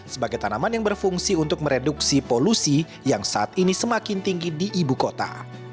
sebagai tanaman yang berfungsi untuk mereduksi polusi yang saat ini semakin tinggi di ibu kota